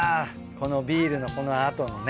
このビールのこの後にね。